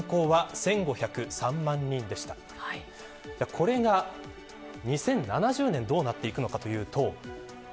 これが２０７０年どうなっていくのかというと。